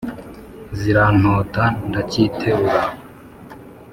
zirantota ntacyiterura